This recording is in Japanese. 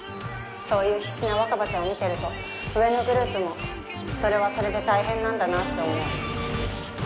そういう必死な若葉ちゃんを見ていると上のグループもそれはそれで大変なんだなあと思う。